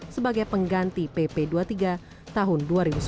sebagai pengganti pp dua puluh tiga tahun dua ribu sepuluh